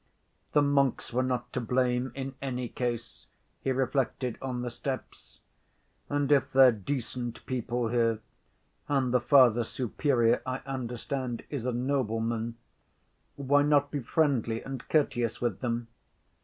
"The monks were not to blame, in any case," he reflected, on the steps. "And if they're decent people here (and the Father Superior, I understand, is a nobleman) why not be friendly and courteous with them?